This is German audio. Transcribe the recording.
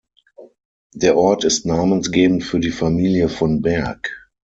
Der Ort ist namensgebend für die Familie von Berg.